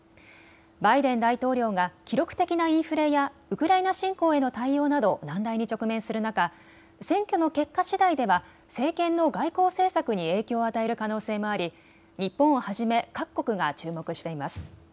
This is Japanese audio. バイデン大統領が記録的なインフレやウクライナ侵攻への対応など難題に直面する中、選挙の結果しだいでは政権の外交政策に影響を与える可能性もあり、日本をはじめ各国が注目しています。